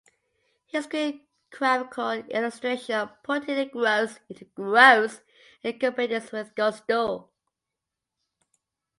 He's a great graphical illustration of putting the gross into gross incompetence with gusto.